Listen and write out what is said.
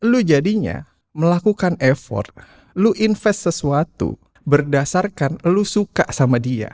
lu jadinya melakukan effort lu invest sesuatu berdasarkan lu suka sama dia